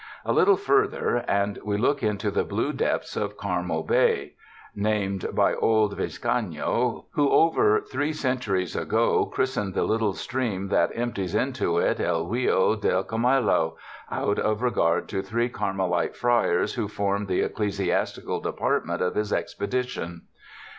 A lit tle further and we look into the blue depths of Carrael Bay, named by old Vizcaino who, over three 232 TOURIST TOWNS centuries ago, christened the little stream that emp ties into it El Rio de Carmelo, out of regard to three Carmelite friars who formed the ecclesiasti cal department of his expedition.